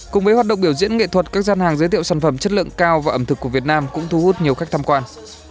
cùng với hoạt động biểu diễn nghệ thuật các gian hàng giới thiệu sản phẩm chất lượng cao và ẩm thực của việt nam cũng thu hút nhiều khách tham quan